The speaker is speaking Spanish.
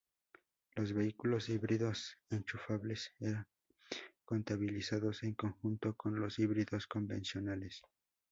Los vehículos híbridos enchufables eran contabilizados en conjunto con los híbridos convencionales.